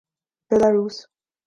Belarus